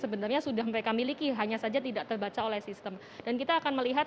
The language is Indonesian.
sebenarnya sudah mereka miliki hanya saja tidak terbaca oleh sistem dan kita akan melihat